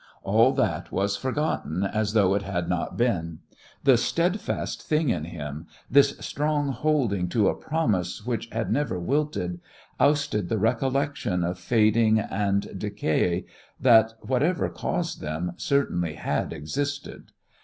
All that was forgotten as though it had not been. The steadfast thing in him, this strong holding to a promise which had never wilted, ousted the recollection of fading and decay that, whatever caused them, certainly had existed.